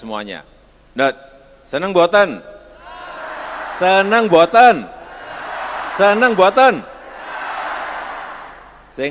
semuanya sudah diserahkan kepada bapak ibu dan saudara saudara saya